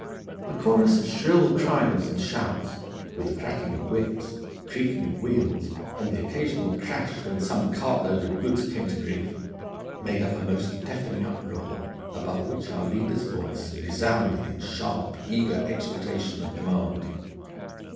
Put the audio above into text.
The chorus of shrill cries and shouts, with the cracking of whips, creaking of wheels, and the occasional crash when some cart load of goods came to grief, made up a most deafening uproar, above which our leader's voice resounded in sharp, eager exhortation and command.